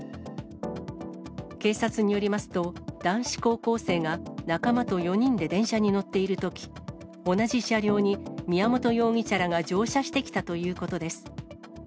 警察によりますと、男子高校生が仲間と４人で電車に乗っているとき、同じ車両に、宮本容疑者らが乗車してきたということです。